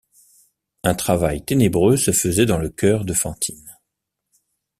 Un travail ténébreux se faisait dans le cœur de Fantine.